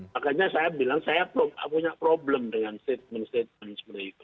makanya saya bilang saya punya problem dengan statement statement seperti itu